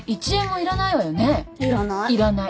いらない